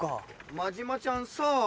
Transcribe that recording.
真島ちゃんさ